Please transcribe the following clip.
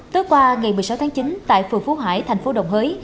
tối qua ngày một mươi sáu tháng chín tại phường phú hải thành phố đồng hới